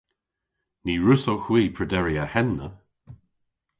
Ny wrussowgh hwi prederi a henna.